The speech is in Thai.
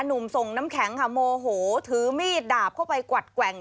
หนุ่มส่งน้ำแข็งค่ะโมโหถือมีดดาบเข้าไปกวัดแกว่ง